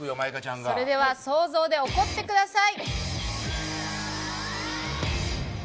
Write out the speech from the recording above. それでは想像で怒ってください！